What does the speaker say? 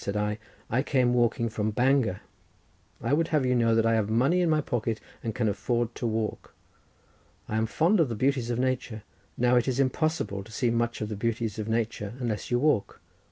said I: "I came walking from Bangor. I would have you know that I have money in my pocket, and can afford to walk. I am fond of the beauties of nature; now it is impossible to see much of the beauties of nature unless you walk.